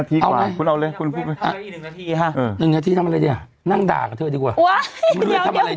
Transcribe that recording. ไถอยู่